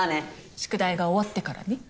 宿題が終わってからね。